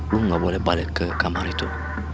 lo gak boleh balik ke kamar itu